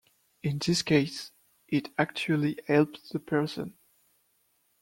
In this case, it actually helped the person.